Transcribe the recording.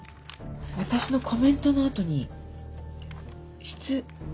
私のコメントの後に質質。